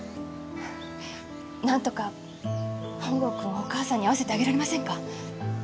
なんとか本郷くんをお母さんに会わせてあげられませんか？